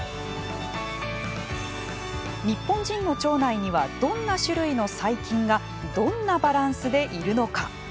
日本人の腸内にはどんな種類の細菌がどんなバランスでいるのか。